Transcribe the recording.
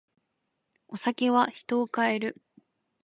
お酒は人を変える。